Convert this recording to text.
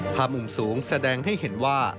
มุมสูงแสดงให้เห็นว่า